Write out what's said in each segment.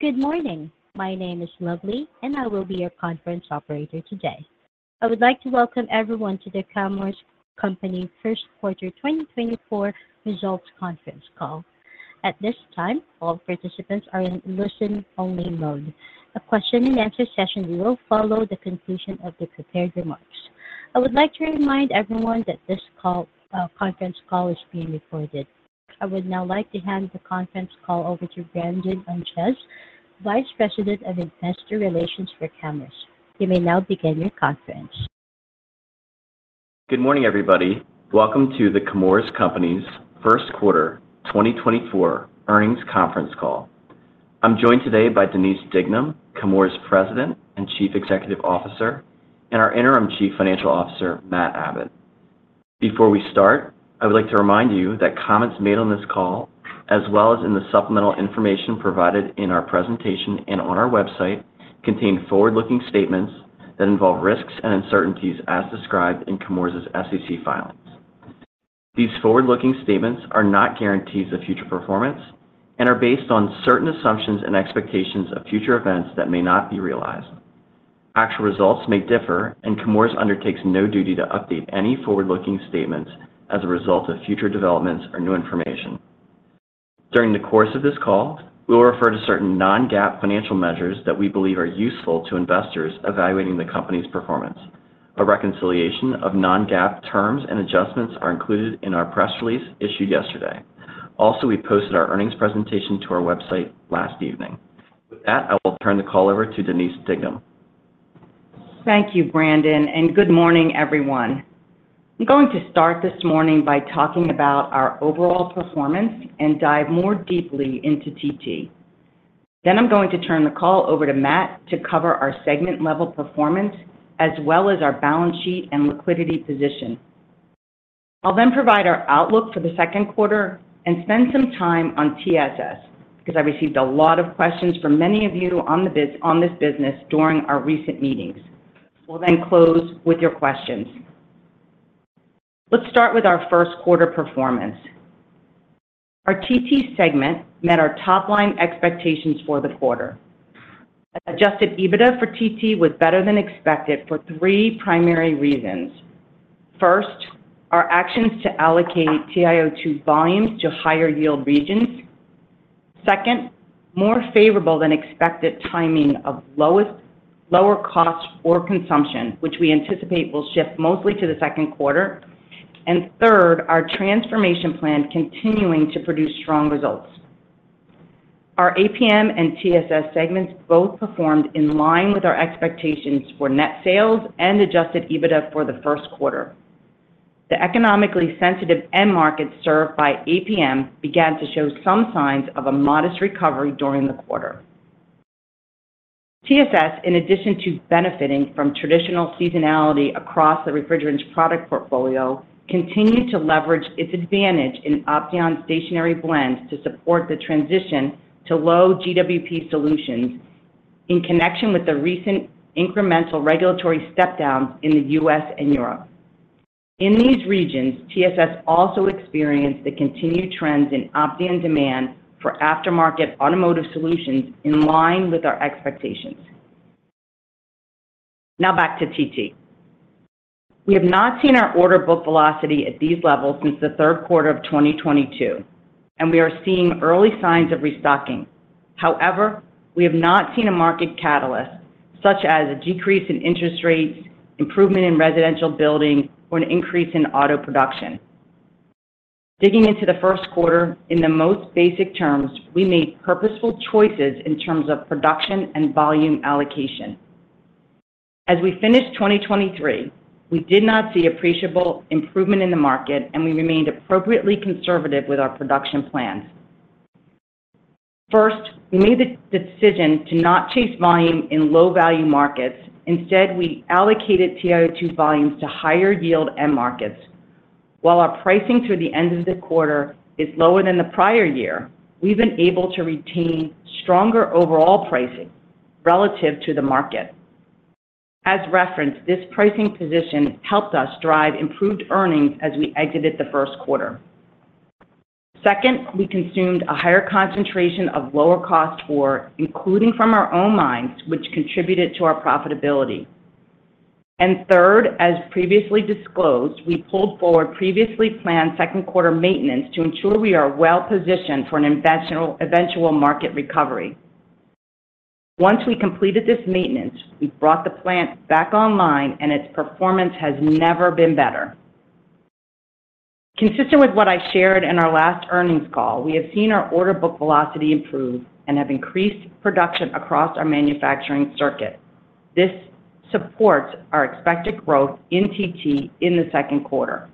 Good morning. My name is Lovely, and I will be your conference operator today. I would like to welcome everyone to The Chemours Company First Quarter 2024 results conference call. At this time, all participants are in listen-only mode. A question-and-answer session will follow the conclusion of the prepared remarks. I would like to remind everyone that this conference call is being recorded. I would now like to hand the conference call over to Brandon Ontjes, Vice President of Investor Relations for Chemours. You may now begin your conference. Good morning, everybody. Welcome to the Chemours Company's first quarter 2024 earnings conference call. I'm joined today by Denise Dignam, Chemours President and Chief Executive Officer, and our Interim Chief Financial Officer, Matt Abbott. Before we start, I would like to remind you that comments made on this call, as well as in the supplemental information provided in our presentation and on our website, contain forward-looking statements that involve risks and uncertainties as described in Chemours' SEC filings. These forward-looking statements are not guarantees of future performance and are based on certain assumptions and expectations of future events that may not be realized. Actual results may differ, and Chemours undertakes no duty to update any forward-looking statements as a result of future developments or new information. During the course of this call, we will refer to certain non-GAAP financial measures that we believe are useful to investors evaluating the company's performance. A reconciliation of non-GAAP terms and adjustments are included in our press release issued yesterday. Also, we posted our earnings presentation to our website last evening. With that, I will turn the call over to Denise Dignam. Thank you, Brandon, and good morning, everyone. I'm going to start this morning by talking about our overall performance and dive more deeply into TT. Then I'm going to turn the call over to Matt to cover our segment-level performance as well as our balance sheet and liquidity position. I'll then provide our outlook for the second quarter and spend some time on TSS because I received a lot of questions from many of you on this business during our recent meetings. We'll then close with your questions. Let's start with our first quarter performance. Our TT segment met our top-line expectations for the quarter. Adjusted EBITDA for TT was better than expected for three primary reasons. First, our actions to allocate TiO2 volumes to higher-yield regions. Second, more favorable than expected timing of lower costs ore consumption, which we anticipate will shift mostly to the second quarter. And third, our transformation plan continuing to produce strong results. Our APM and TSS segments both performed in line with our expectations for net sales and Adjusted EBITDA for the first quarter. The economically sensitive end markets served by APM began to show some signs of a modest recovery during the quarter. TSS, in addition to benefiting from traditional seasonality across the refrigerants product portfolio, continued to leverage its advantage in Opteon stationary blends to support the transition to low GWP solutions in connection with the recent incremental regulatory stepdowns in the U.S. and Europe. In these regions, TSS also experienced the continued trends in Opteon demand for aftermarket automotive solutions in line with our expectations. Now back to TT. We have not seen our order book velocity at these levels since the third quarter of 2022, and we are seeing early signs of restocking. However, we have not seen a market catalyst such as a decrease in interest rates, improvement in residential building, or an increase in auto production. Digging into the first quarter, in the most basic terms, we made purposeful choices in terms of production and volume allocation. As we finished 2023, we did not see appreciable improvement in the market, and we remained appropriately conservative with our production plans. First, we made the decision to not chase volume in low-value markets. Instead, we allocated TiO2 volumes to higher-yield end markets. While our pricing through the end of the quarter is lower than the prior year, we've been able to retain stronger overall pricing relative to the market. As referenced, this pricing position helped us drive improved earnings as we exited the first quarter. Second, we consumed a higher concentration of lower-cost ore, including from our own mines, which contributed to our profitability. And third, as previously disclosed, we pulled forward previously planned second quarter maintenance to ensure we are well-positioned for an eventual market recovery. Once we completed this maintenance, we brought the plant back online, and its performance has never been better. Consistent with what I shared in our last earnings call, we have seen our order book velocity improve and have increased production across our manufacturing circuit. This supports our expected growth in TT in the second quarter.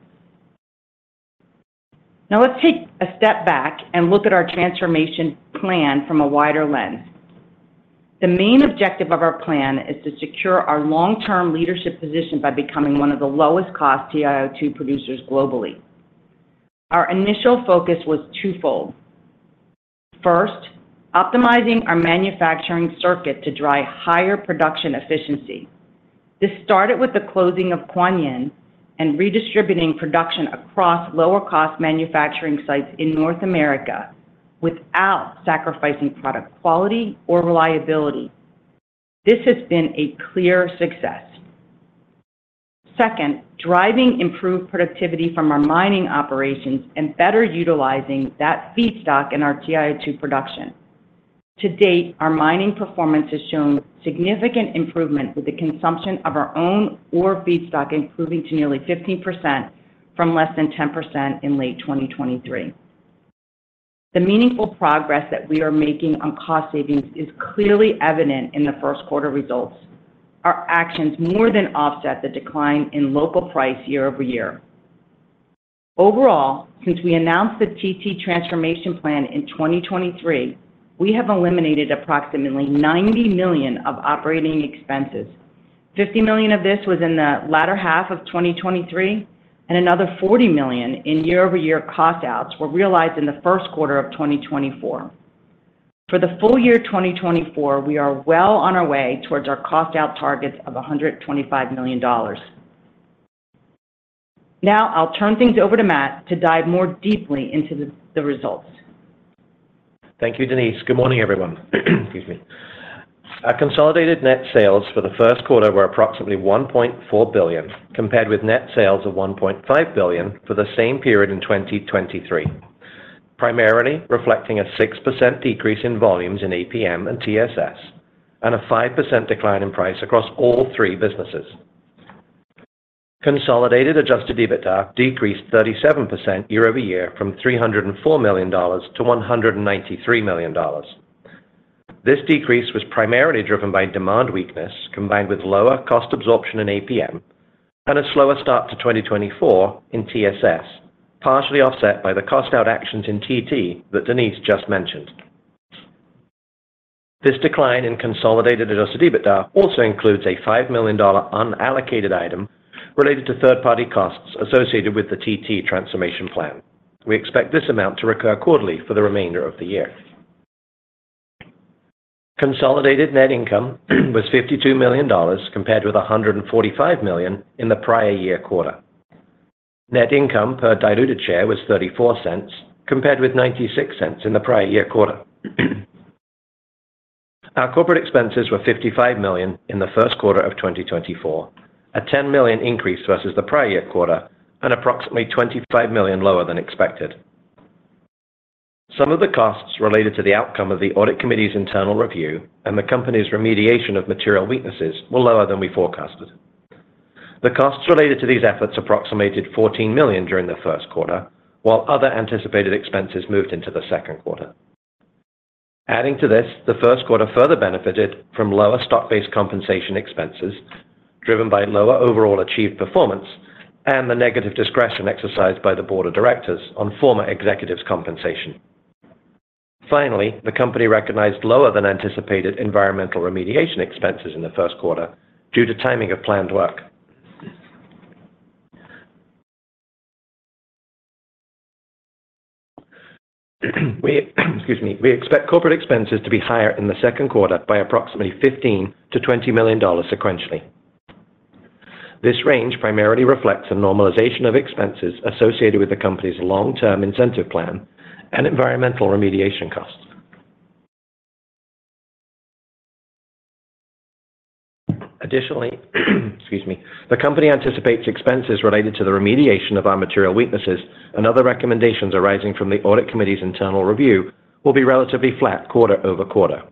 Now let's take a step back and look at our transformation plan from a wider lens. The main objective of our plan is to secure our long-term leadership position by becoming one of the lowest-cost TiO2 producers globally. Our initial focus was twofold. First, optimizing our manufacturing circuit to drive higher production efficiency. This started with the closing of Kuan Yin and redistributing production across lower-cost manufacturing sites in North America without sacrificing product quality or reliability. This has been a clear success. Second, driving improved productivity from our mining operations and better utilizing that feedstock in our TiO2 production. To date, our mining performance has shown significant improvement with the consumption of our own ore feedstock improving to nearly 15% from less than 10% in late 2023. The meaningful progress that we are making on cost savings is clearly evident in the first quarter results. Our actions more than offset the decline in local price year-over-year. Overall, since we announced the TT transformation plan in 2023, we have eliminated approximately $90 million of operating expenses. $50 million of this was in the latter half of 2023, and another $40 million in year-over-year cost outs were realized in the first quarter of 2024. For the full year 2024, we are well on our way towards our cost out targets of $125 million. Now I'll turn things over to Matt to dive more deeply into the results. Thank you, Denise. Good morning, everyone. Excuse me. Our consolidated net sales for the first quarter were approximately $1.4 billion compared with net sales of $1.5 billion for the same period in 2023, primarily reflecting a 6% decrease in volumes in APM and TSS and a 5% decline in price across all three businesses. Consolidated Adjusted EBITDA decreased 37% year-over-year from $304 million to $193 million. This decrease was primarily driven by demand weakness combined with lower cost absorption in APM and a slower start to 2024 in TSS, partially offset by the cost out actions in TT that Denise just mentioned. This decline in consolidated Adjusted EBITDA also includes a $5 million unallocated item related to third-party costs associated with the TT transformation plan. We expect this amount to recur quarterly for the remainder of the year. Consolidated net income was $52 million compared with $145 million in the prior year quarter. Net income per diluted share was $0.34 compared with $0.96 in the prior year quarter. Our corporate expenses were $55 million in the first quarter of 2024, a $10 million increase versus the prior year quarter and approximately $25 million lower than expected. Some of the costs related to the outcome of the audit committee's internal review and the company's remediation of material weaknesses were lower than we forecasted. The costs related to these efforts approximated $14 million during the first quarter, while other anticipated expenses moved into the second quarter. Adding to this, the first quarter further benefited from lower stock-based compensation expenses driven by lower overall achieved performance and the negative discretion exercised by the board of directors on former executives' compensation. Finally, the company recognized lower than anticipated environmental remediation expenses in the first quarter due to timing of planned work. Excuse me. We expect corporate expenses to be higher in the second quarter by approximately $15 million-$20 million sequentially. This range primarily reflects a normalization of expenses associated with the company's long-term incentive plan and environmental remediation costs. Additionally, excuse me, the company anticipates expenses related to the remediation of our material weaknesses, and other recommendations arising from the audit committee's internal review will be relatively flat quarter-over-quarter.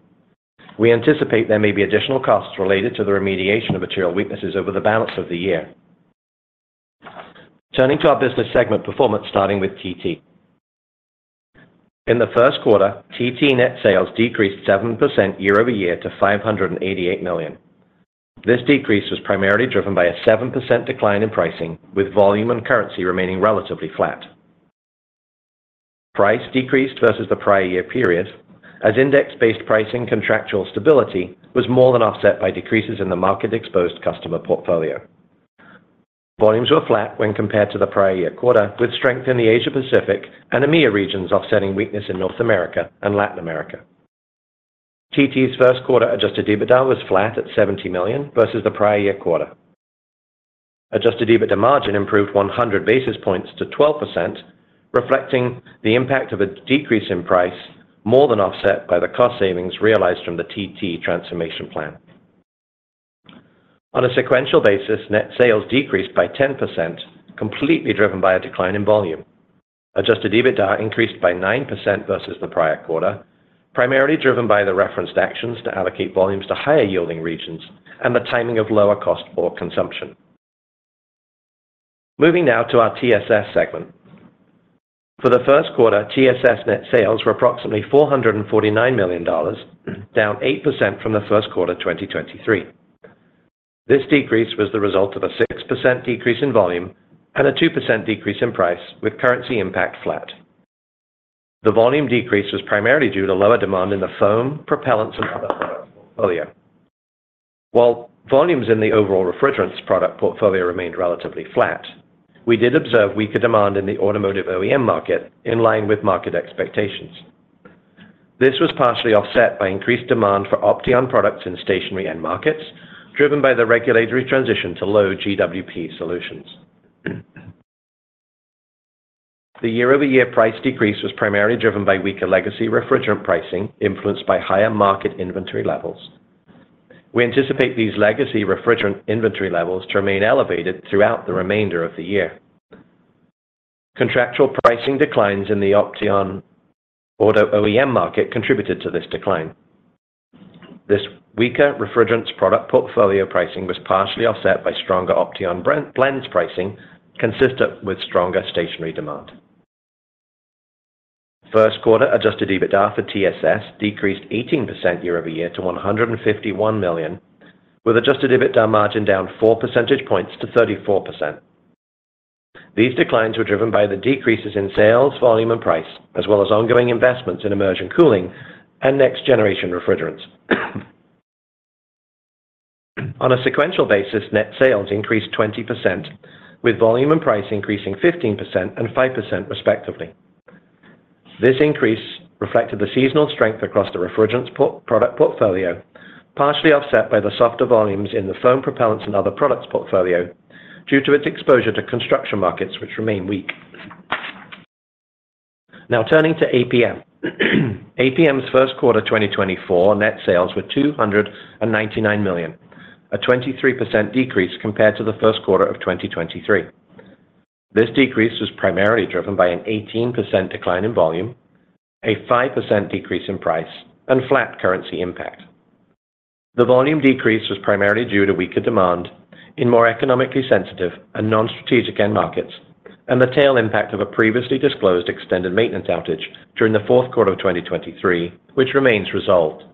We anticipate there may be additional costs related to the remediation of material weaknesses over the balance of the year. Turning to our business segment performance starting with TT. In the first quarter, TT net sales decreased 7% year-over-year to $588 million. This decrease was primarily driven by a 7% decline in pricing, with volume and currency remaining relatively flat. Price decreased versus the prior year period as index-based pricing contractual stability was more than offset by decreases in the market-exposed customer portfolio. Volumes were flat when compared to the prior year quarter, with strength in the Asia-Pacific and EMEA regions offsetting weakness in North America and Latin America. TT's first quarter Adjusted EBITDA was flat at $70 million versus the prior year quarter. Adjusted EBITDA margin improved 100 basis points to 12%, reflecting the impact of a decrease in price more than offset by the cost savings realized from the TT transformation plan. On a sequential basis, net sales decreased by 10%, completely driven by a decline in volume. Adjusted EBITDA increased by 9% versus the prior quarter, primarily driven by the referenced actions to allocate volumes to higher-yielding regions and the timing of lower cost ore consumption. Moving now to our TSS segment. For the first quarter, TSS net sales were approximately $449 million, down 8% from the first quarter 2023. This decrease was the result of a 6% decrease in volume and a 2% decrease in price, with currency impact flat. The volume decrease was primarily due to lower demand in the foam, propellants, and other products portfolio. While volumes in the overall refrigerants product portfolio remained relatively flat, we did observe weaker demand in the automotive OEM market in line with market expectations. This was partially offset by increased demand for Opteon products in stationary end markets driven by the regulatory transition to low GWP solutions. The year-over-year price decrease was primarily driven by weaker legacy refrigerant pricing influenced by higher market inventory levels. We anticipate these legacy refrigerant inventory levels to remain elevated throughout the remainder of the year. Contractual pricing declines in the Opteon auto OEM market contributed to this decline. This weaker refrigerants product portfolio pricing was partially offset by stronger Opteon blends pricing consistent with stronger stationary demand. First quarter Adjusted EBITDA for TSS decreased 18% year-over-year to $151 million, with Adjusted EBITDA margin down 4 percentage points to 34%. These declines were driven by the decreases in sales, volume, and price, as well as ongoing investments in immersion cooling and next-generation refrigerants. On a sequential basis, net sales increased 20%, with volume and price increasing 15% and 5% respectively. This increase reflected the seasonal strength across the refrigerants product portfolio, partially offset by the softer volumes in the foam, propellants, and other products portfolio due to its exposure to construction markets, which remain weak. Now turning to APM. APM's first quarter 2024 net sales were $299 million, a 23% decrease compared to the first quarter of 2023. This decrease was primarily driven by an 18% decline in volume, a 5% decrease in price, and flat currency impact. The volume decrease was primarily due to weaker demand in more economically sensitive and non-strategic end markets and the tail impact of a previously disclosed extended maintenance outage during the fourth quarter of 2023, which remains resolved.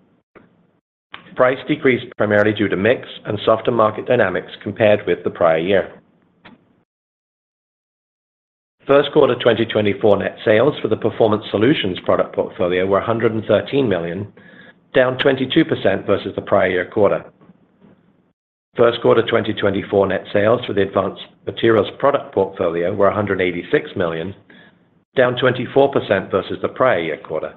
Price decreased primarily due to mix and softer market dynamics compared with the prior year. First quarter 2024 net sales for the performance solutions product portfolio were $113 million, down 22% versus the prior year quarter. First quarter 2024 net sales for the advanced materials product portfolio were $186 million, down 24% versus the prior year quarter.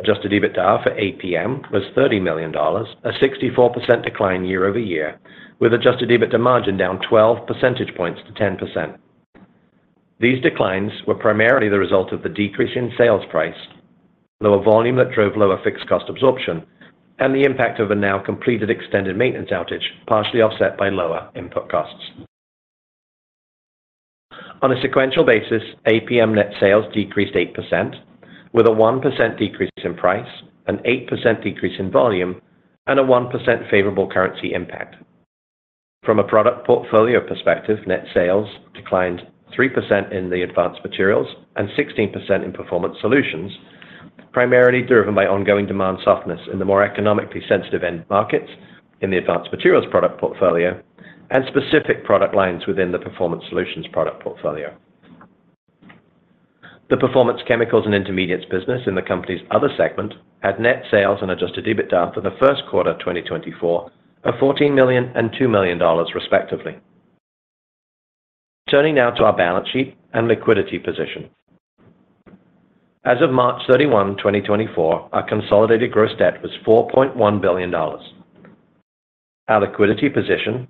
Adjusted EBITDA for APM was $30 million, a 64% decline year over year with Adjusted EBITDA margin down 12 percentage points to 10%. These declines were primarily the result of the decrease in sales price, lower volume that drove lower fixed cost absorption, and the impact of a now completed extended maintenance outage partially offset by lower input costs. On a sequential basis, APM net sales decreased 8% with a 1% decrease in price, an 8% decrease in volume, and a 1% favorable currency impact. From a product portfolio perspective, net sales declined 3% in the advanced materials and 16% in performance solutions, primarily driven by ongoing demand softness in the more economically sensitive end markets in the advanced materials product portfolio and specific product lines within the performance solutions product portfolio. The performance chemicals and intermediates business in the company's other segment had net sales and Adjusted EBITDA for the first quarter 2024 of $14 million and $2 million respectively. Turning now to our balance sheet and liquidity position. As of March 31, 2024, our consolidated gross debt was $4.1 billion. Our liquidity position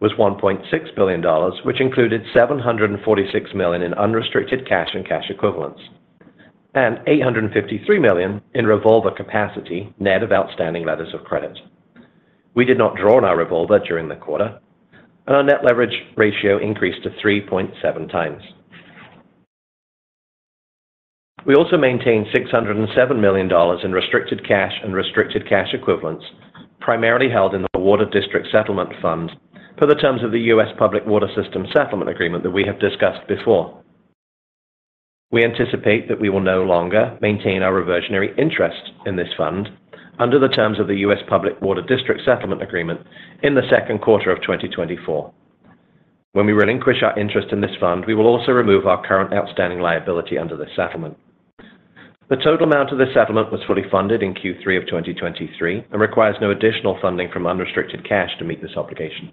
was $1.6 billion, which included $746 million in unrestricted cash and cash equivalents and $853 million in revolver capacity net of outstanding letters of credit. We did not draw on our revolver during the quarter, and our net leverage ratio increased to 3.7x. We also maintained $607 million in restricted cash and restricted cash equivalents primarily held in the water district settlement funds per the terms of the U.S. Public Water Systems settlement agreement that we have discussed before. We anticipate that we will no longer maintain our reversionary interest in this fund under the terms of the U.S. Public Water Systems settlement agreement in the second quarter of 2024. When we relinquish our interest in this fund, we will also remove our current outstanding liability under this settlement. The total amount of this settlement was fully funded in Q3 of 2023 and requires no additional funding from unrestricted cash to meet this obligation.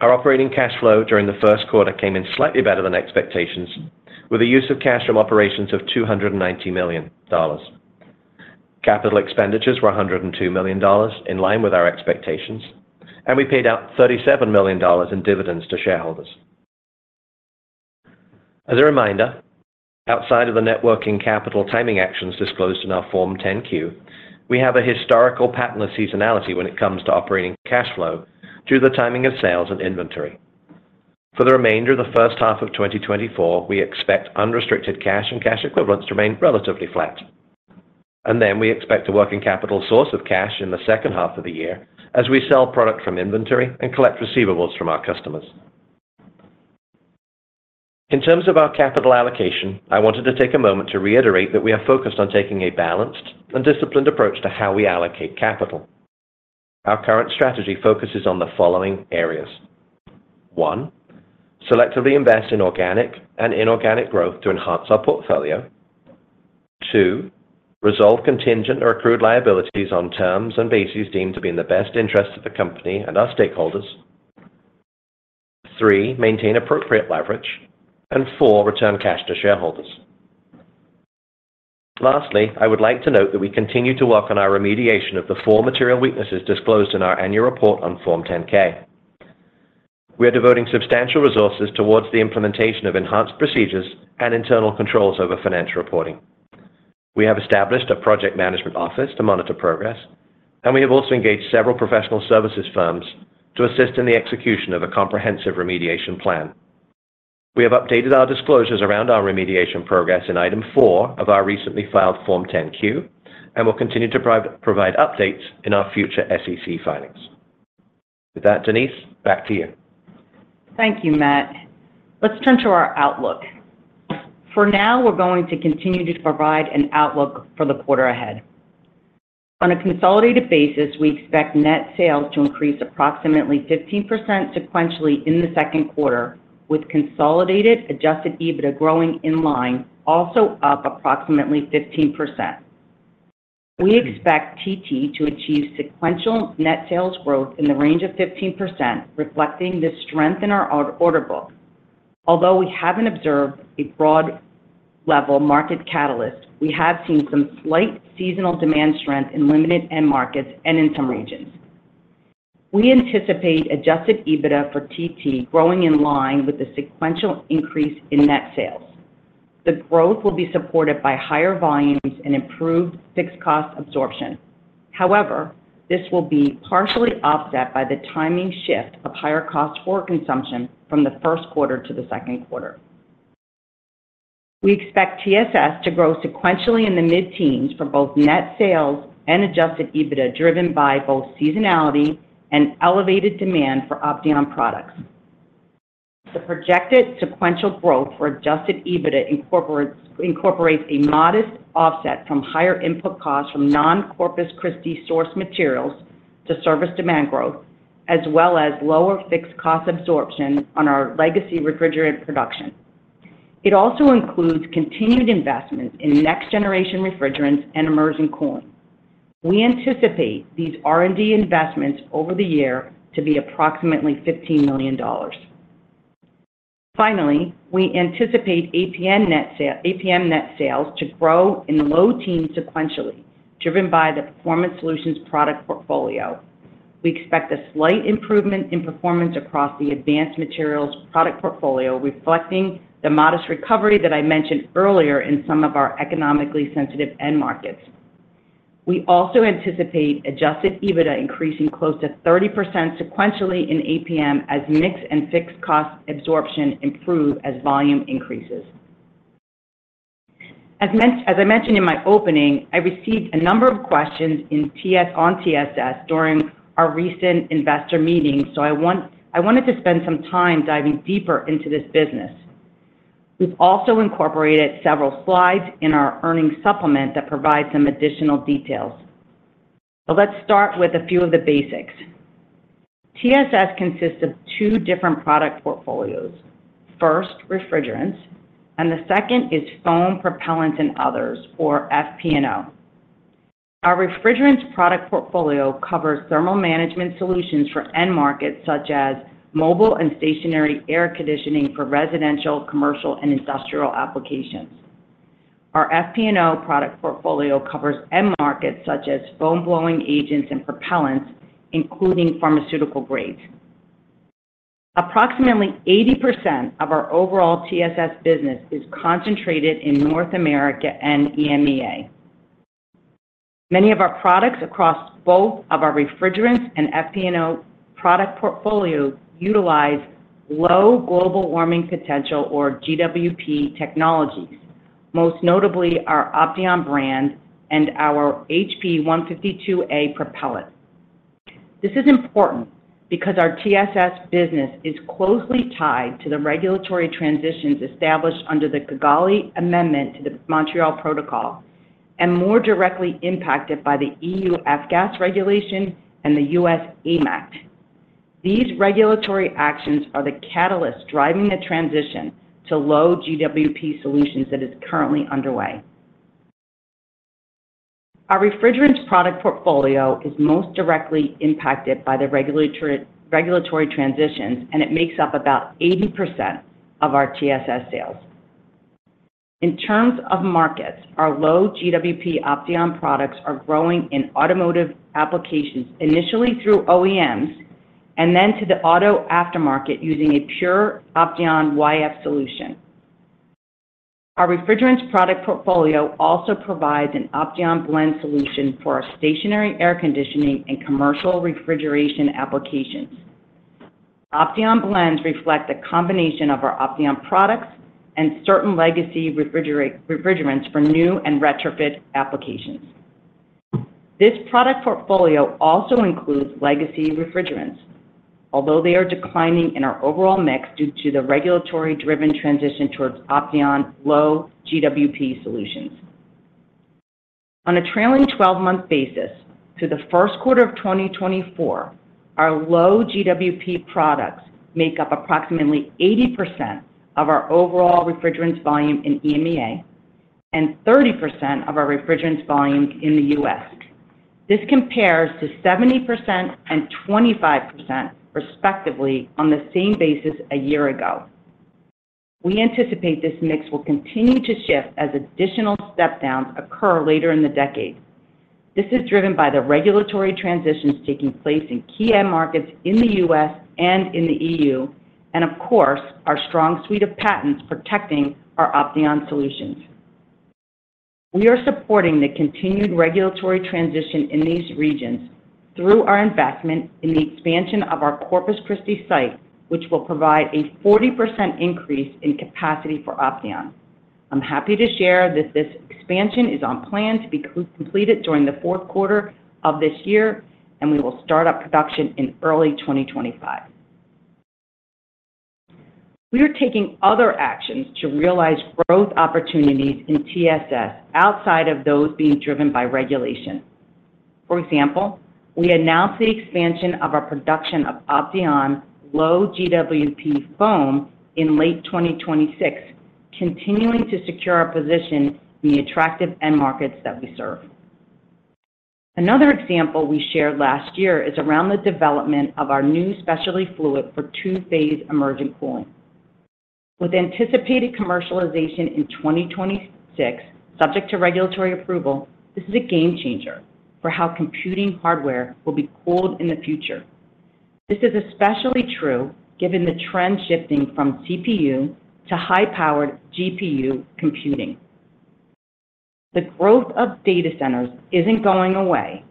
Our operating cash flow during the first quarter came in slightly better than expectations, with a use of cash from operations of $290 million. Capital expenditures were $102 million in line with our expectations, and we paid out $37 million in dividends to shareholders. As a reminder, outside of the net working capital timing actions disclosed in our Form 10-Q, we have a historical pattern of seasonality when it comes to operating cash flow due to the timing of sales and inventory. For the remainder of the first half of 2024, we expect unrestricted cash and cash equivalents to remain relatively flat. And then we expect a working capital source of cash in the second half of the year as we sell product from inventory and collect receivables from our customers. In terms of our capital allocation, I wanted to take a moment to reiterate that we are focused on taking a balanced and disciplined approach to how we allocate capital. Our current strategy focuses on the following areas: 1. Selectively invest in organic and inorganic growth to enhance our portfolio. 2. Resolve contingent or accrued liabilities on terms and bases deemed to be in the best interest of the company and our stakeholders. 3. Maintain appropriate leverage. 4. Return cash to shareholders. Lastly, I would like to note that we continue to work on our remediation of the 4 material weaknesses disclosed in our annual report on Form 10-K. We are devoting substantial resources towards the implementation of enhanced procedures and internal controls over financial reporting. We have established a project management office to monitor progress, and we have also engaged several professional services firms to assist in the execution of a comprehensive remediation plan. We have updated our disclosures around our remediation progress in Item 4 of our recently filed Form 10-Q and will continue to provide updates in our future SEC filings. With that, Denise, back to you. Thank you, Matt. Let's turn to our outlook. For now, we're going to continue to provide an outlook for the quarter ahead. On a consolidated basis, we expect net sales to increase approximately 15% sequentially in the second quarter, with consolidated Adjusted EBITDA growing in line, also up approximately 15%. We expect TT to achieve sequential net sales growth in the range of 15%, reflecting the strength in our order book. Although we haven't observed a broad-level market catalyst, we have seen some slight seasonal demand strength in limited end markets and in some regions. We anticipate Adjusted EBITDA for TT growing in line with the sequential increase in net sales. The growth will be supported by higher volumes and improved fixed cost absorption. However, this will be partially offset by the timing shift of higher cost ore consumption from the first quarter to the second quarter. We expect TSS to grow sequentially in the mid-teens for both net sales and Adjusted EBITDA driven by both seasonality and elevated demand for Opteon products. The projected sequential growth for Adjusted EBITDA incorporates a modest offset from higher input costs from non-Corpus Christi source materials to service demand growth, as well as lower fixed cost absorption on our legacy refrigerant production. It also includes continued investments in next-generation refrigerants and immersion cooling. We anticipate these R&D investments over the year to be approximately $15 million. Finally, we anticipate APM net sales to grow in the low-teens sequentially, driven by the performance solutions product portfolio. We expect a slight improvement in performance across the advanced materials product portfolio, reflecting the modest recovery that I mentioned earlier in some of our economically sensitive end markets. We also anticipate Adjusted EBITDA increasing close to 30% sequentially in APM as mix and fixed cost absorption improve as volume increases. As I mentioned in my opening, I received a number of questions on TSS during our recent investor meeting, so I wanted to spend some time diving deeper into this business. We've also incorporated several slides in our earnings supplement that provide some additional details. Let's start with a few of the basics. TSS consists of two different product portfolios. First, refrigerants, and the second is foam, propellants, and others, or FP&O. Our refrigerants product portfolio covers thermal management solutions for end markets such as mobile and stationary air conditioning for residential, commercial, and industrial applications. Our FP&O product portfolio covers end markets such as foam blowing agents and propellants, including pharmaceutical grades. Approximately 80% of our overall TSS business is concentrated in North America and EMEA. Many of our products across both of our refrigerants and FP&O product portfolio utilize low global warming potential, or GWP, technologies, most notably our Opteon brand and our HP 152a propellant. This is important because our TSS business is closely tied to the regulatory transitions established under the Kigali Amendment to the Montreal Protocol and more directly impacted by the EU F-gas regulation and the US AIM Act. These regulatory actions are the catalysts driving the transition to low GWP solutions that is currently underway. Our refrigerants product portfolio is most directly impacted by the regulatory transitions, and it makes up about 80% of our TSS sales. In terms of markets, our low GWP Opteon products are growing in automotive applications initially through OEMs and then to the auto aftermarket using a pure Opteon YF solution. Our refrigerants product portfolio also provides an Opteon blend solution for our stationary air conditioning and commercial refrigeration applications. Opteon blends reflect a combination of our Opteon products and certain legacy refrigerants for new and retrofit applications. This product portfolio also includes legacy refrigerants, although they are declining in our overall mix due to the regulatory-driven transition towards Opteon low GWP solutions. On a trailing 12-month basis, through the first quarter of 2024, our low GWP products make up approximately 80% of our overall refrigerants volume in EMEA and 30% of our refrigerants volume in the US. This compares to 70% and 25%, respectively, on the same basis a year ago. We anticipate this mix will continue to shift as additional stepdowns occur later in the decade. This is driven by the regulatory transitions taking place in key end markets in the US and in the EU and, of course, our strong suite of patents protecting our Opteon solutions. We are supporting the continued regulatory transition in these regions through our investment in the expansion of our Corpus Christi site, which will provide a 40% increase in capacity for Opteon. I'm happy to share that this expansion is on plan to be completed during the fourth quarter of this year, and we will start up production in early 2025. We are taking other actions to realize growth opportunities in TSS outside of those being driven by regulation. For example, we announced the expansion of our production of Opteon low GWP foam in late 2026, continuing to secure our position in the attractive end markets that we serve. Another example we shared last year is around the development of our new specialty fluid for two-phase immersion cooling. With anticipated commercialization in 2026 subject to regulatory approval, this is a game changer for how computing hardware will be cooled in the future. This is especially true given the trend shifting from CPU to high-powered GPU computing. The growth of data centers isn't going away,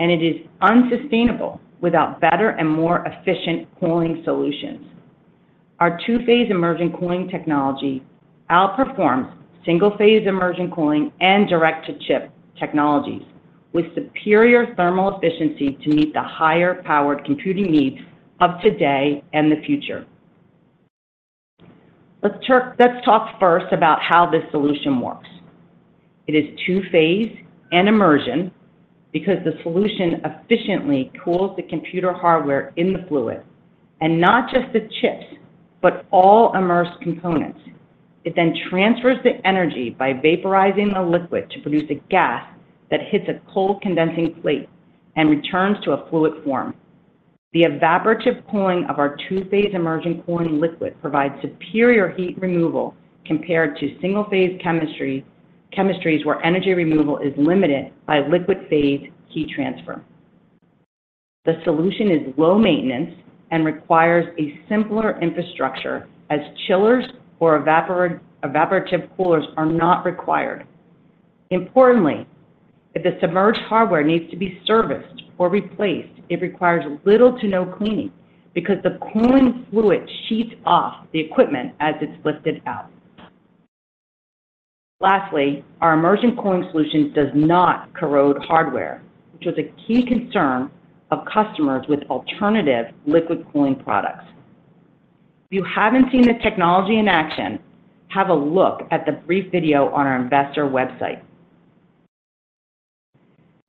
and it is unsustainable without better and more efficient cooling solutions. Our two-phase immersion cooling technology outperforms single-phase immersion cooling and direct-to-chip technologies with superior thermal efficiency to meet the higher-powered computing needs of today and the future. Let's talk first about how this solution works. It is two-phase and immersion because the solution efficiently cools the computer hardware in the fluid, and not just the chips but all immersed components. It then transfers the energy by vaporizing the liquid to produce a gas that hits a cold condensing plate and returns to a fluid form. The evaporative cooling of our two-phase immersion cooling liquid provides superior heat removal compared to single-phase chemistries where energy removal is limited by liquid phase heat transfer. The solution is low maintenance and requires a simpler infrastructure as chillers or evaporative coolers are not required. Importantly, if the submerged hardware needs to be serviced or replaced, it requires little to no cleaning because the cooling fluid sheets off the equipment as it's lifted out. Lastly, our immersion cooling solution does not corrode hardware, which was a key concern of customers with alternative liquid cooling products. If you haven't seen the technology in action, have a look at the brief video on our investor website.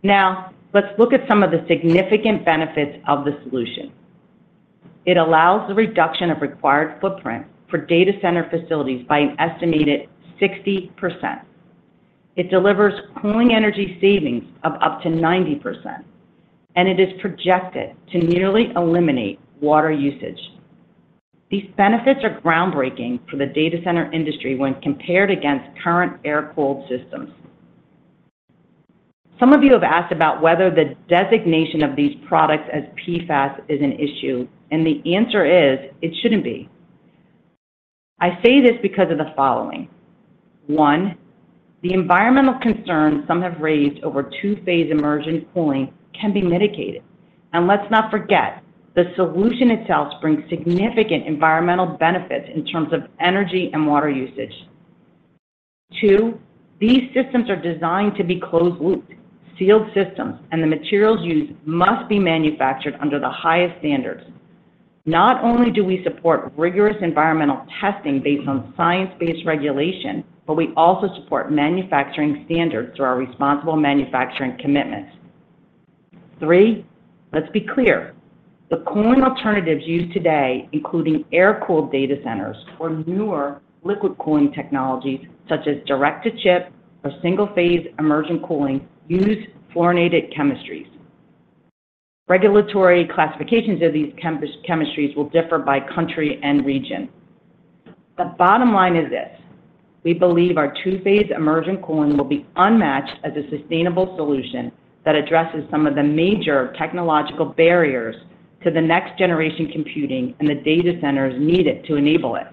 Now, let's look at some of the significant benefits of the solution. It allows the reduction of required footprint for data center facilities by an estimated 60%. It delivers cooling energy savings of up to 90%, and it is projected to nearly eliminate water usage. These benefits are groundbreaking for the data center industry when compared against current air-cooled systems. Some of you have asked about whether the designation of these products as PFAS is an issue, and the answer is it shouldn't be. I say this because of the following. One, the environmental concerns some have raised over two-phase immersion cooling can be mitigated. Let's not forget, the solution itself brings significant environmental benefits in terms of energy and water usage. Two, these systems are designed to be closed-looped, sealed systems, and the materials used must be manufactured under the highest standards. Not only do we support rigorous environmental testing based on science-based regulation, but we also support manufacturing standards through our responsible manufacturing commitments. Three, let's be clear. The cooling alternatives used today, including air-cooled data centers or newer liquid cooling technologies such as direct-to-chip or single-phase immersion cooling, use fluorinated chemistries. Regulatory classifications of these chemistries will differ by country and region. The bottom line is this. We believe our two-phase immersion cooling will be unmatched as a sustainable solution that addresses some of the major technological barriers to the next-generation computing and the data centers needed to enable it.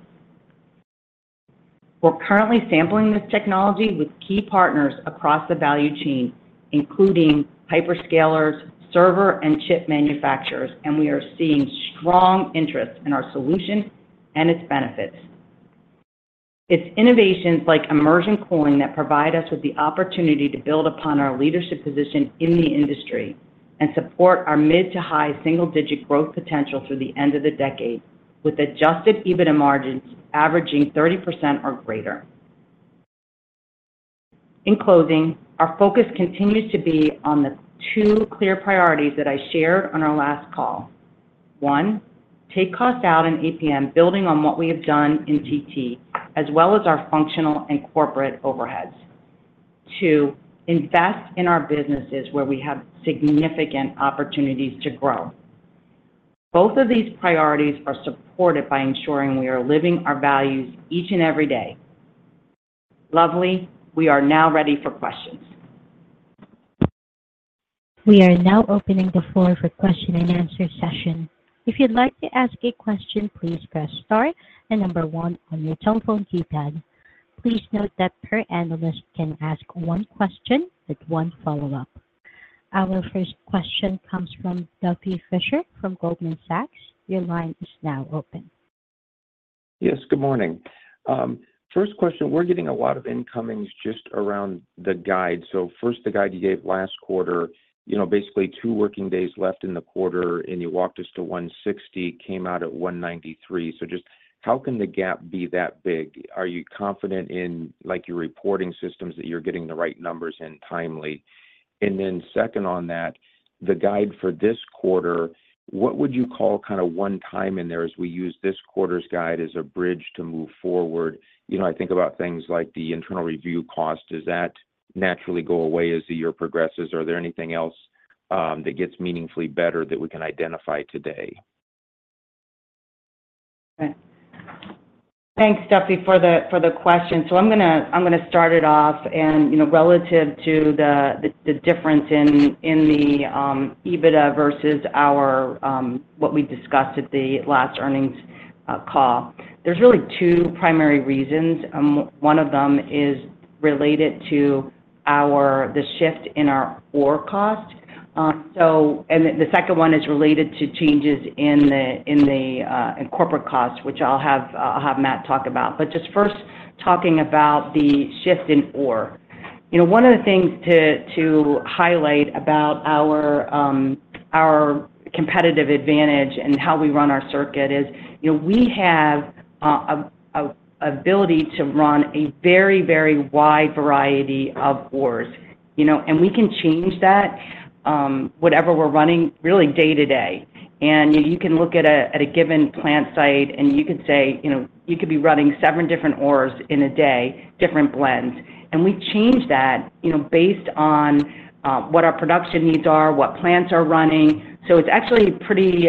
We're currently sampling this technology with key partners across the value chain, including hyperscalers, server and chip manufacturers, and we are seeing strong interest in our solution and its benefits. It's innovations like immersion cooling that provide us with the opportunity to build upon our leadership position in the industry and support our mid- to high single-digit growth potential through the end of the decade with Adjusted EBITDA margins averaging 30% or greater. In closing, our focus continues to be on the two clear priorities that I shared on our last call. One, take cost out in APM building on what we have done in TT as well as our functional and corporate overheads. Two, invest in our businesses where we have significant opportunities to grow. Both of these priorities are supported by ensuring we are living our values each and every day. Lovely, we are now ready for questions. We are now opening the floor for the question and answer session. If you'd like to ask a question, please press star and number one on your telephone keypad. Please note that per analyst can ask one question with one follow-up. Our first question comes from Duffy Fischer from Goldman Sachs. Your line is now open. Yes, good morning. First question, we're getting a lot of incomings just around the guide. So first, the guide you gave last quarter, basically 2 working days left in the quarter, and you walked us to $160, came out at $193. So just how can the gap be that big? Are you confident in your reporting systems that you're getting the right numbers in timely? Then second on that, the guide for this quarter, what would you call kind of one time in there as we use this quarter's guide as a bridge to move forward? I think about things like the internal review cost. Does that naturally go away as the year progresses? Are there anything else that gets meaningfully better that we can identify today? Thanks, Duffy, for the question. So I'm going to start it off. Relative to the difference in the EBITDA versus what we discussed at the last earnings call, there's really two primary reasons. One of them is related to the shift in our ore cost. The second one is related to changes in the corporate costs, which I'll have Matt talk about. But just first, talking about the shift in OR. One of the things to highlight about our competitive advantage and how we run our circuit is we have an ability to run a very, very wide variety of ores. We can change that, whatever we're running, really day to day. You can look at a given plant site, and you could say you could be running seven different ores in a day, different blends. We change that based on what our production needs are, what plants are running. So it's actually pretty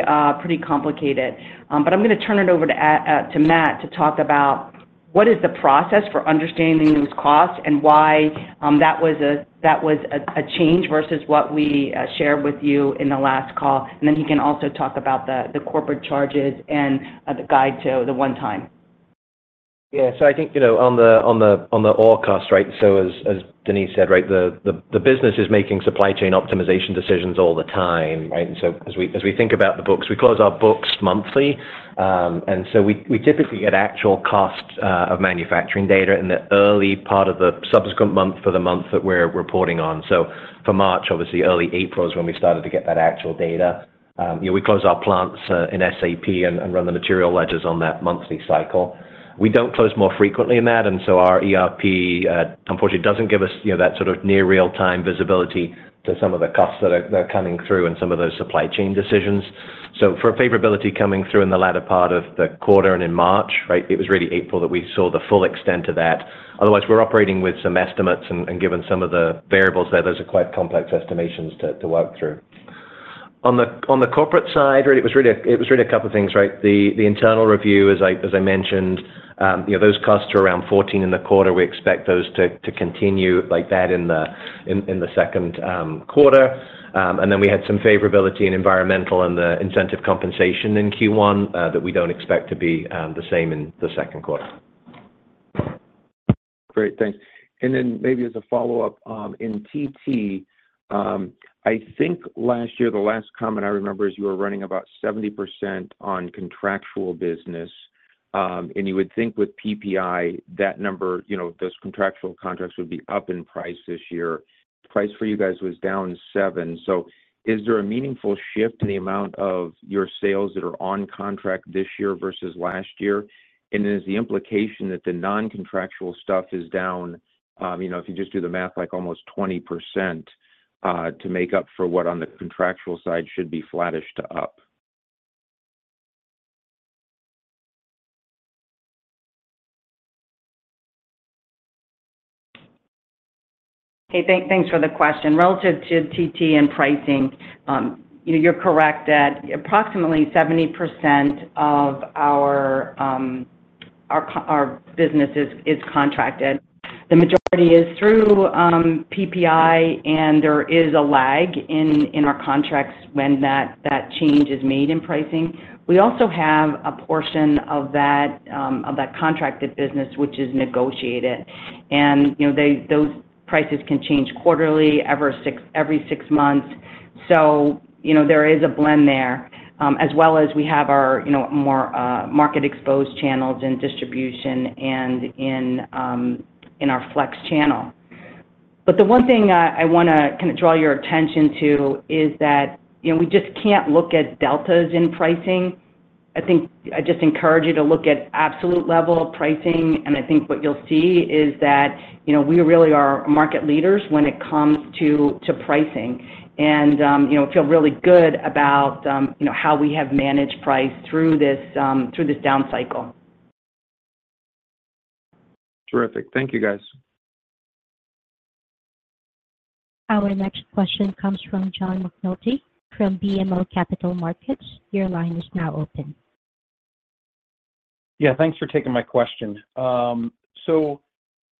complicated. But I'm going to turn it over to Matt to talk about what is the process for understanding those costs and why that was a change versus what we shared with you in the last call. Then he can also talk about the corporate charges and the guide to the one-time. Yeah. So I think on the ore cost, right, so as Denise said, right, the business is making supply chain optimization decisions all the time, right? And so as we think about the books, we close our books monthly. And so we typically get actual cost of manufacturing data in the early part of the subsequent month for the month that we're reporting on. So for March, obviously, early April is when we started to get that actual data. We close our plants in SAP and run the material ledgers on that monthly cycle. We don't close more frequently in that. And so our ERP, unfortunately, doesn't give us that sort of near-real-time visibility to some of the costs that are coming through and some of those supply chain decisions. So for favorability coming through in the latter part of the quarter and in March, right, it was really April that we saw the full extent of that. Otherwise, we're operating with some estimates. And given some of the variables there, those are quite complex estimations to work through. On the corporate side, right, it was really a couple of things, right? The internal review, as I mentioned, those costs are around $14 million in the quarter. We expect those to continue like that in the second quarter. And then we had some favorability in environmental and the incentive compensation in Q1 that we don't expect to be the same in the second quarter. Great. Thanks. And then maybe as a follow-up, in TT, I think last year, the last comment I remember is you were running about 70% on contractual business. You would think with PPI, that number, those contractual contracts would be up in price this year. Price for you guys was down 7%. So is there a meaningful shift in the amount of your sales that are on contract this year versus last year? And then is the implication that the non-contractual stuff is down, if you just do the math, almost 20% to make up for what on the contractual side should be flattish up? Hey, thanks for the question. Relative to TT and pricing, you're correct that approximately 70% of our business is contracted. The majority is through PPI, and there is a lag in our contracts when that change is made in pricing. We also have a portion of that contracted business, which is negotiated. And those prices can change quarterly, every six months. So there is a blend there, as well as we have our more market-exposed channels in distribution and in our flex channel. But the one thing I want to kind of draw your attention to is that we just can't look at deltas in pricing. I think I just encourage you to look at absolute level pricing. And I think what you'll see is that we really are market leaders when it comes to pricing. And I feel really good about how we have managed price through this down cycle. Terrific. Thank you, guys. Our next question comes from John McNulty from BMO Capital Markets. Your line is now open. Yeah. Thanks for taking my question. So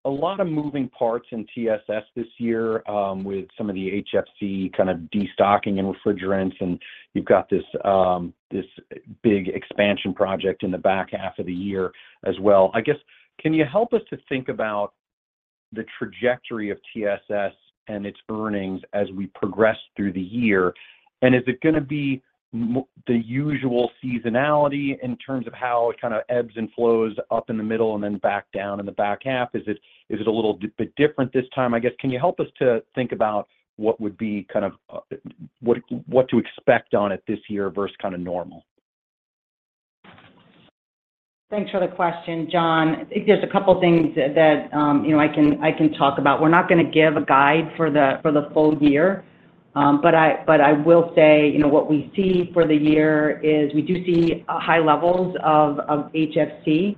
a lot of moving parts in TSS this year with some of the HFC kind of destocking and refrigerants. And you've got this big expansion project in the back half of the year as well. I guess, can you help us to think about the trajectory of TSS and its earnings as we progress through the year? And is it going to be the usual seasonality in terms of how it kind of ebbs and flows up in the middle and then back down in the back half? Is it a little bit different this time, I guess? Can you help us to think about what would be kind of what to expect on it this year versus kind of normal? Thanks for the question, John. There's a couple of things that I can talk about. We're not going to give a guide for the full year. But I will say what we see for the year is we do see high levels of HFC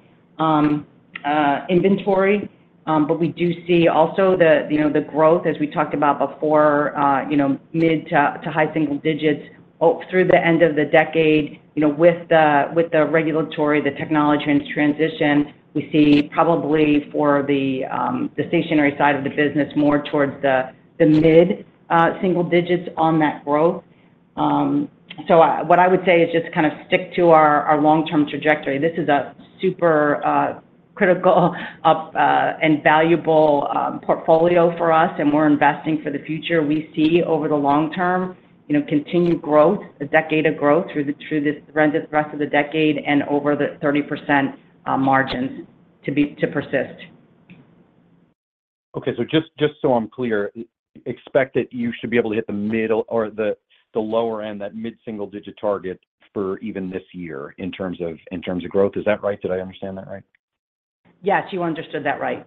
inventory. We do see also the growth, as we talked about before, mid- to high-single digits through the end of the decade. With the regulatory, the technology and transition, we see probably for the stationary side of the business more towards the mid-single digits on that growth. So what I would say is just kind of stick to our long-term trajectory. This is a super critical and valuable portfolio for us, and we're investing for the future. We see over the long-term continued growth, a decade of growth through the rest of the decade and over the 30% margins to persist. Okay. So just so I'm clear, expect that you should be able to hit the middle or the lower end, that mid-single digit target for even this year in terms of growth. Is that right? Did I understand that right? Yes, you understood that right.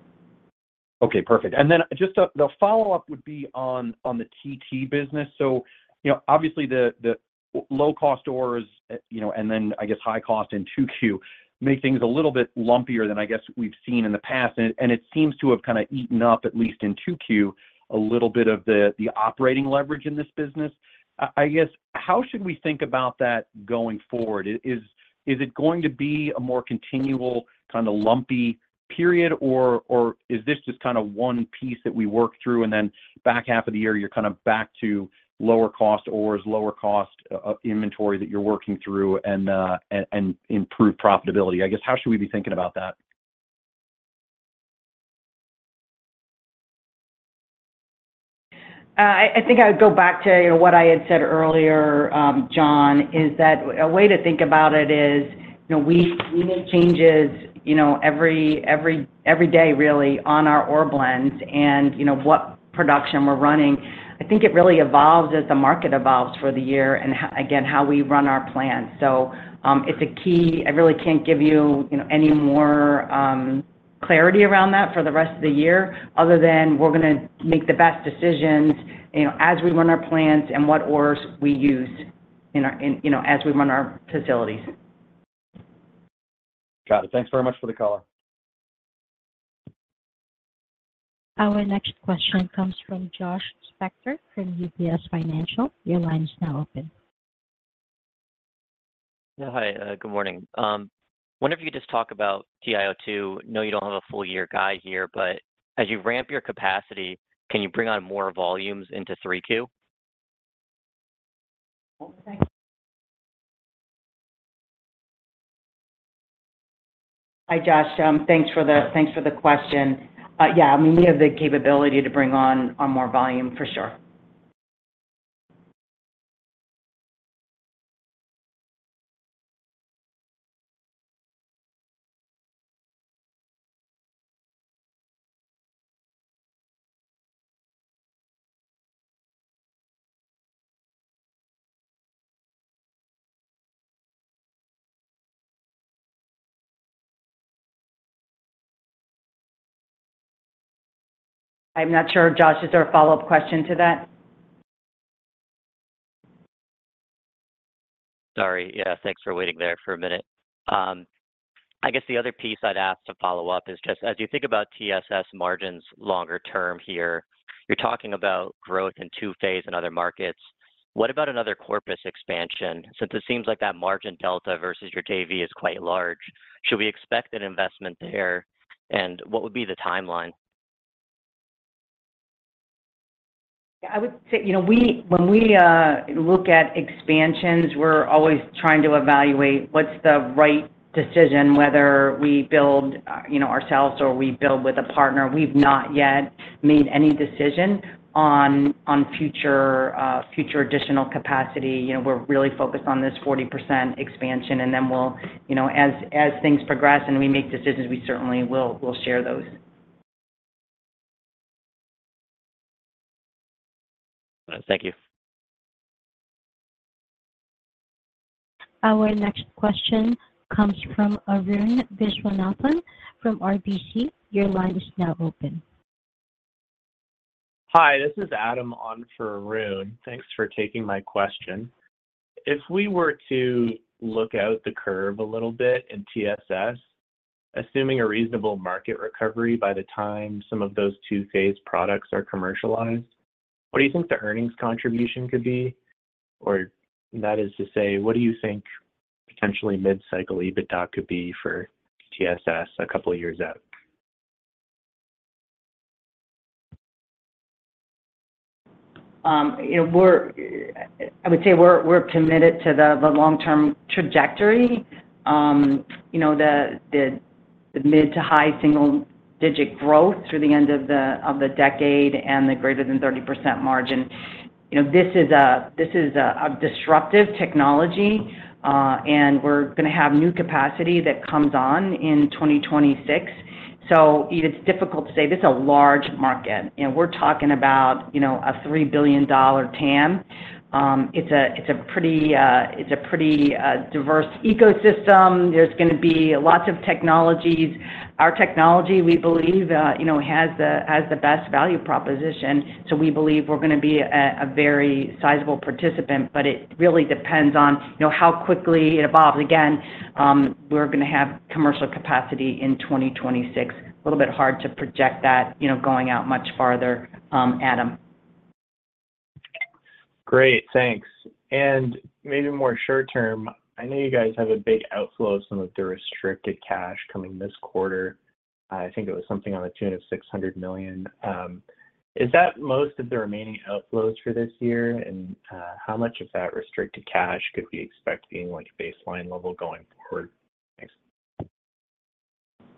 Okay. Perfect. And then just the follow-up would be on the TT business. So obviously, the low-cost ores and then, I guess, high cost in 2Q make things a little bit lumpier than, I guess, we've seen in the past. And it seems to have kind of eaten up, at least in 2Q, a little bit of the operating leverage in this business. I guess, how should we think about that going forward? Is it going to be a more continual kind of lumpy period, or is this just kind of one piece that we work through, and then back half of the year, you're kind of back to lower-cost ores, lower-cost inventory that you're working through and improve profitability? I guess, how should we be thinking about that? I think I would go back to what I had said earlier, John, is that a way to think about it is we make changes every day, really, on our OR blends and what production we're running. I think it really evolves as the market evolves for the year and, again, how we run our plants. So it's a key I really can't give you any more clarity around that for the rest of the year other than we're going to make the best decisions as we run our plants and what ores we use as we run our facilities. Got it. Thanks very much for the color. Our next question comes from Josh Spector from UBS. Your line is now open. Yeah. Hi. Good morning. I wonder if you could just talk about TiO2. I know you don't have a full-year guide here, but as you ramp your capacity, can you bring on more volumes into 3Q? Hi, Josh. Thanks for the question. Yeah. I mean, we have the capability to bring on more volume, for sure. I'm not sure, Josh, is there a follow-up question to that? Sorry. Yeah. Thanks for waiting there for a minute. I guess the other piece I'd ask to follow up is just as you think about TSS margins longer-term here, you're talking about growth in two-phase in other markets. What about another Corpus Christi expansion? Since it seems like that margin delta versus your JV is quite large, should we expect an investment there? And what would be the timeline? Yeah. I would say when we look at expansions, we're always trying to evaluate what's the right decision, whether we build ourselves or we build with a partner. We've not yet made any decision on future additional capacity. We're really focused on this 40% expansion. And then as things progress and we make decisions, we certainly will share those. Thank you. Our next question comes from Arun Vishwanathan from RBC. Your line is now open. Hi. This is Adam on for Arun. Thanks for taking my question. If we were to look out the curve a little bit in TSS, assuming a reasonable market recovery by the time some of those two-phase products are commercialized, what do you think the earnings contribution could be? Or that is to say, what do you think potentially mid-cycle EBITDA could be for TSS a couple of years out? I would say we're committed to the long-term trajectory, the mid to high single digit growth through the end of the decade and the greater than 30% margin. This is a disruptive technology, and we're going to have new capacity that comes on in 2026. So it's difficult to say. This is a large market. We're talking about a $3 billion TAM. It's a pretty diverse ecosystem. There's going to be lots of technologies. Our technology, we believe, has the best value proposition. So we believe we're going to be a very sizable participant, but it really depends on how quickly it evolves. Again, we're going to have commercial capacity in 2026. A little bit hard to project that going out much farther, Adam. Great. Thanks. And maybe more short-term, I know you guys have a big outflow of some of the restricted cash coming this quarter. I think it was something to the tune of $600 million. Is that most of the remaining outflows for this year? How much of that restricted cash could we expect being baseline level going forward?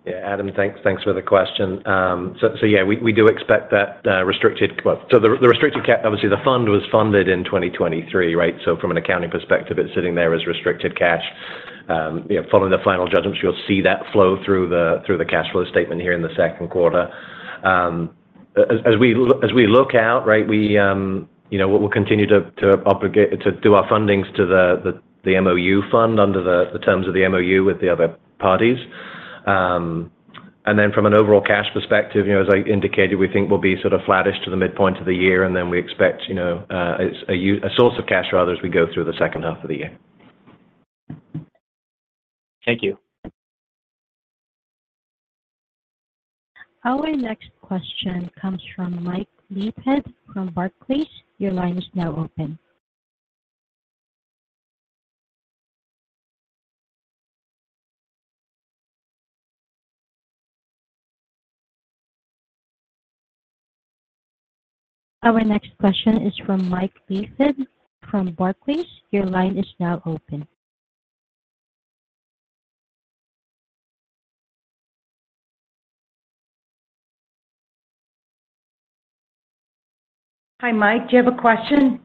Thanks. Yeah. Adam, thanks for the question. So yeah, we do expect that restricted—well, so the restricted obviously, the fund was funded in 2023, right? So from an accounting perspective, it's sitting there as restricted cash. Following the final judgments, you'll see that flow through the cash flow statement here in the second quarter. As we look out, right, we will continue to do our fundings to the MOU fund under the terms of the MOU with the other parties. And then from an overall cash perspective, as I indicated, we think we'll be sort of flattish to the midpoint of the year. And then we expect a source of cash rather as we go through the second half of the year. Thank you. Our next question comes from Mike Leithead from Barclays. Your line is now open. Our next question is from Mike Leithead from Barclays. Your line is now open. Hi, Mike. Do you have a question?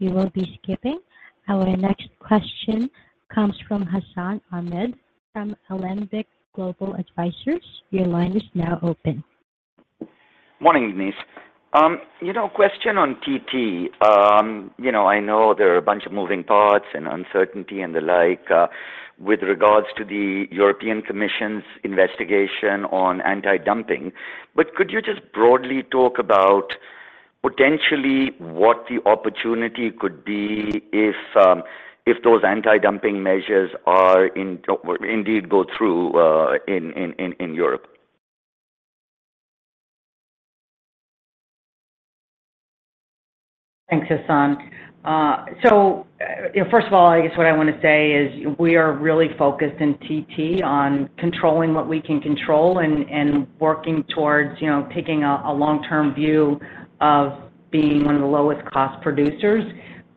You will be skipping. Our next question comes from Hassan Ahmed from Alembic Global Advisors. Your line is now open. Morning, Denise. Question on TT. I know there are a bunch of moving parts and uncertainty and the like with regards to the European Commission's investigation on anti-dumping. But could you just broadly talk about potentially what the opportunity could be if those anti-dumping measures indeed go through in Europe? Thanks, Hassan. So first of all, I guess what I want to say is we are really focused in TT on controlling what we can control and working towards taking a long-term view of being one of the lowest cost producers.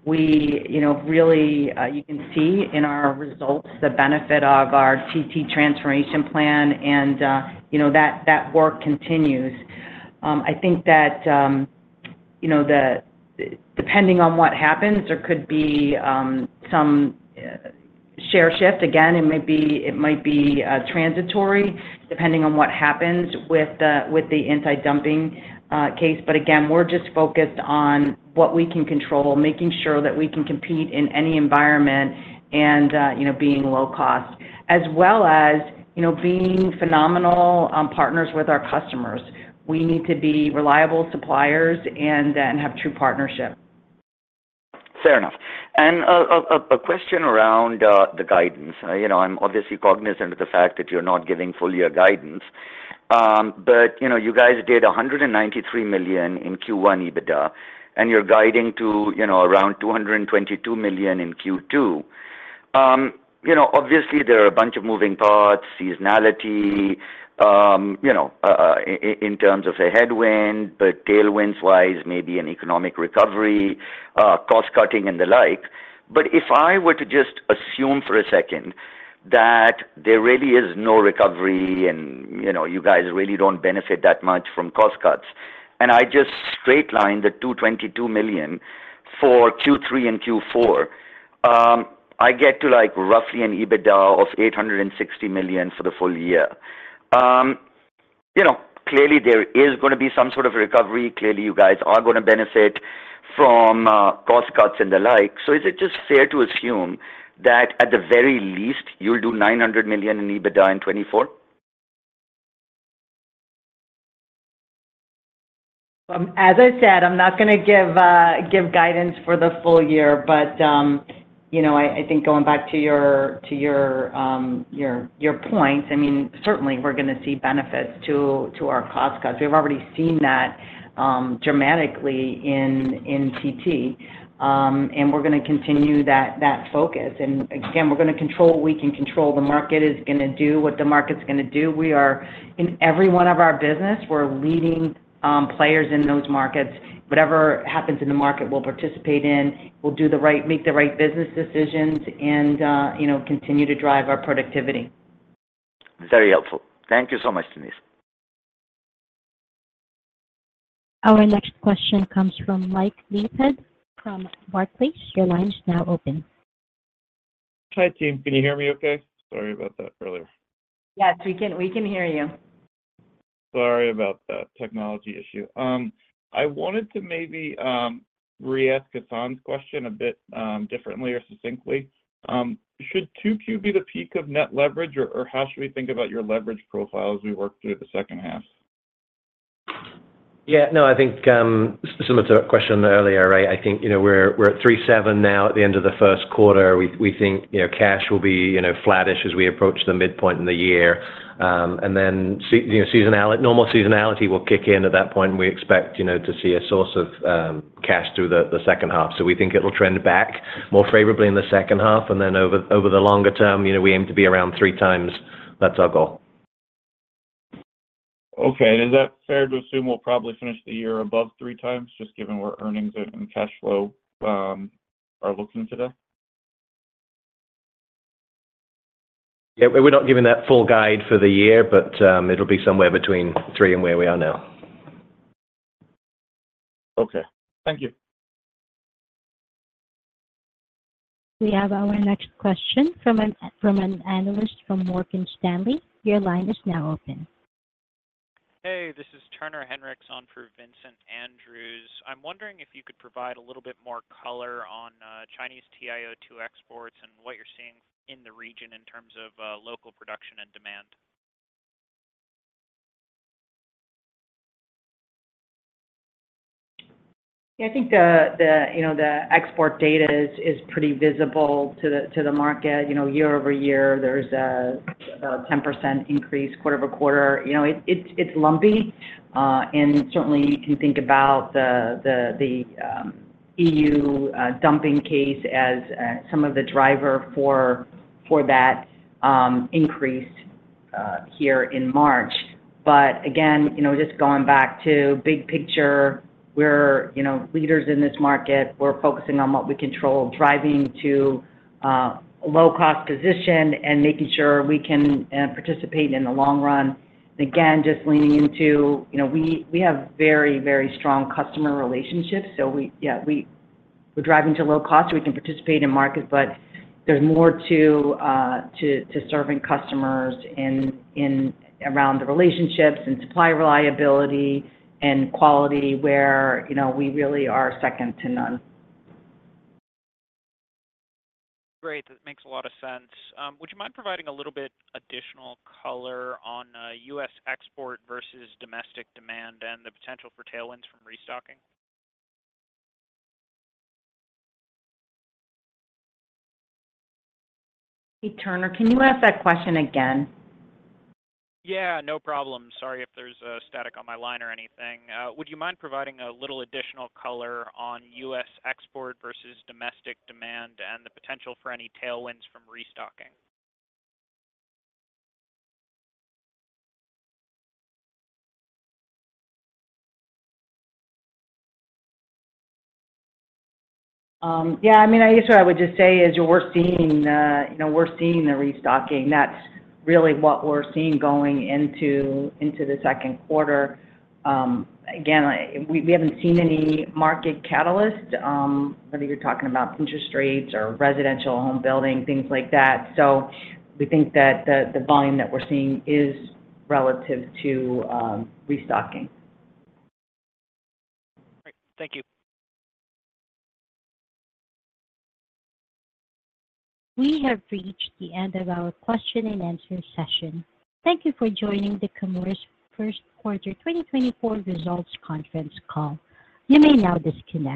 You can see in our results the benefit of our TT transformation plan, and that work continues. I think that depending on what happens, there could be some share shift. Again, it might be transitory depending on what happens with the anti-dumping case. But again, we're just focused on what we can control, making sure that we can compete in any environment and being low-cost, as well as being phenomenal partners with our customers. We need to be reliable suppliers and have true partnerships. Fair enough. And a question around the guidance. I'm obviously cognizant of the fact that you're not giving full-year guidance. But you guys did $193 million in Q1 EBITDA, and you're guiding to around $222 million in Q2. Obviously, there are a bunch of moving parts, seasonality in terms of a headwind, but tailwinds-wise, maybe an economic recovery, cost-cutting, and the like. But if I were to just assume for a second that there really is no recovery and you guys really don't benefit that much from cost cuts, and I just straight-line the $222 million for Q3 and Q4, I get to roughly an EBITDA of $860 million for the full year. Clearly, there is going to be some sort of recovery. Clearly, you guys are going to benefit from cost cuts and the like. So is it just fair to assume that at the very least, you'll do $900 million in EBITDA in 2024? As I said, I'm not going to give guidance for the full year. But I think going back to your point, I mean, certainly, we're going to see benefits to our cost cuts. We've already seen that dramatically in TT, and we're going to continue that focus. And again, we're going to control what we can control. The market is going to do what the market's going to do. In every one of our business, we're leading players in those markets. Whatever happens in the market, we'll participate in, we'll make the right business decisions, and continue to drive our productivity. Very helpful. Thank you so much, Denise. Our next question comes from Mike Leithead from Barclays. Your line is now open. Hi, team. Can you hear me okay? Sorry about that earlier. Yes. We can hear you. Sorry about that technology issue. I wanted to maybe reask Hassan's question a bit differently or succinctly. Should 2Q be the peak of net leverage, or how should we think about your leverage profile as we work through the second half? Yeah. No. I think similar to a question earlier, right? I think we're at 37 now at the end of the first quarter. We think cash will be flattish as we approach the midpoint of the year. Normal seasonality will kick in at that point, and we expect to see a source of cash through the second half. We think it'll trend back more favorably in the second half. Over the longer term, we aim to be around 3x. That's our goal. Okay. Is that fair to assume we'll probably finish the year above 3x just given where earnings and cash flow are looking today? Yeah. We're not giving that full guide for the year, but it'll be somewhere between 3x and where we are now. Okay. Thank you. We have our next question from an analyst from Morgan Stanley. Your line is now open. Hey. This is Turner Hinrichs for Vincent Andrews. I'm wondering if you could provide a little bit more color on Chinese TiO2 exports and what you're seeing in the region in terms of local production and demand. Yeah. I think the export data is pretty visible to the market. Year-over-year, there's about a 10% increase quarter-over-quarter. It's lumpy. And certainly, you can think about the EU dumping case as some of the driver for that increase here in March. But again, just going back to big picture, we're leaders in this market. We're focusing on what we control, driving to a low-cost position and making sure we can participate in the long run. And again, just leaning into, we have very, very strong customer relationships. So yeah, we're driving to low cost so we can participate in markets. But there's more to serving customers around the relationships and supply reliability and quality where we really are second to none. Great. That makes a lot of sense. Would you mind providing a little bit additional color on U.S. export versus domestic demand and the potential for tailwinds from restocking? Hey, Turner, can you ask that question again? Yeah. No problem. Sorry if there's a static on my line or anything. Would you mind providing a little bit additional color on U.S. export versus domestic demand and the potential for any tailwinds from restocking? Yeah. I mean, I guess what I would just say is we're seeing the restocking. That's really what we're seeing going into the second quarter. Again, we haven't seen any market catalyst, whether you're talking about interest rates or residential home building, things like that. So we think that the volume that we're seeing is relative to restocking. Great. Thank you. We have reached the end of our question-and-answer session. Thank you for joining the Chemours First Quarter 2024 Results Conference Call. You may now disconnect.